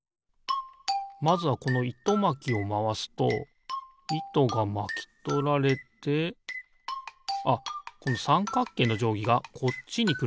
まずはこのいとまきをまわすといとがまきとられてあっこのさんかっけいのじょうぎがこっちにくるのか。